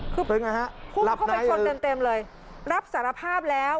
เป็นไงฮะรับไหนรับสารภาพแล้ว